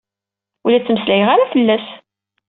Ur la ttmeslayeɣ ara fell-as.